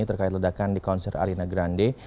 terkait ledakan di konser arina grande